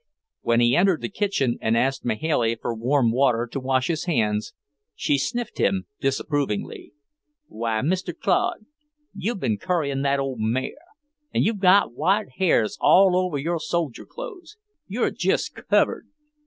When he entered the kitchen and asked Mahailey for warm water to wash his hands, she sniffed him disapprovingly. "Why, Mr. Claude, you've been curryin' that old mare, and you've got white hairs all over your soldier clothes. You're jist covered!"